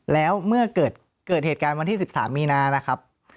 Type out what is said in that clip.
แล้วเมื่อเกิดเหตุการณ์วันที่๑๓มีนานะครับ